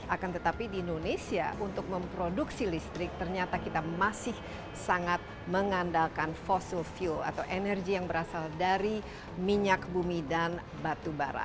akan tetapi di indonesia untuk memproduksi listrik ternyata kita masih sangat mengandalkan fossil fuel atau energi yang berasal dari minyak bumi dan batu bara